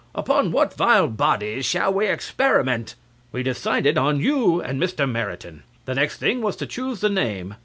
"Upon what vile bodies shall we experiment?" We decided on you and Mr. Meriton. The next thing was to choose the name.